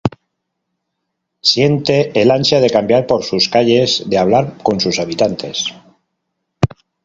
Siente el ansia de caminar por sus calles, de hablar con sus habitantes.